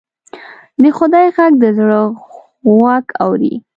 د خدای غږ د زړه غوږ اوري